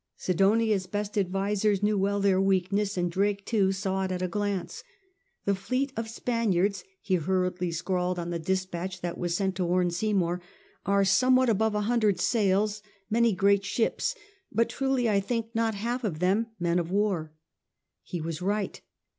Sidonia's best advisers knew well their weakness, and Drake, too, saw it at a glance. "The Fleet of Spaniards," he hurriedly scrawled on the despatch that was sent to warn Seymour, "are somewhat above a hundred sails, many great ships; but truly, I think, not half of them men of war." He was right.